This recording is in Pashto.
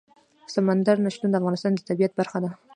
سمندر نه شتون د افغانستان د طبیعت برخه ده.